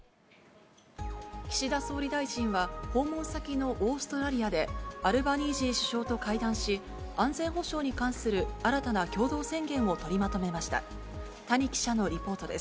岸田総理大臣は、訪問先のオーストラリアで、アルバニージー首相と会談し、安全保障に関する新たな共同宣言を取りまとめました。